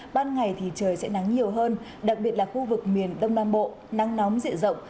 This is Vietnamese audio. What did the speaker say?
ban ngày thì trời sẽ nắng nhiều hơn đặc biệt là khu vực miền đông nam bộ nắng nóng diện rộng